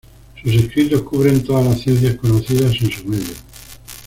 Sus escritos cubren todas las ciencias conocidas en su medio.